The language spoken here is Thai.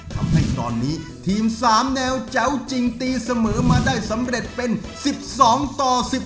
ทำให้ตอนนี้ทีม๓แนวแจ๋วจริงตีเสมอมาได้สำเร็จเป็น๑๒ต่อ๑๒